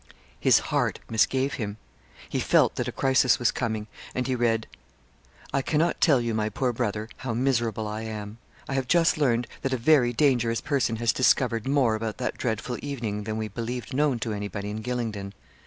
His heart misgave him. He felt that a crisis was coming; and he read 'I cannot tell you, my poor brother, how miserable I am. I have just learned that a very dangerous person has discovered more about that dreadful evening than we believed known to anybody in Gylingden.